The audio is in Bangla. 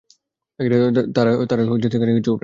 তারা কিছু করবে না।